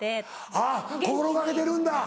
あっ心掛けてるんだ。